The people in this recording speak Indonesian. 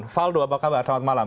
faldo apa kabar selamat malam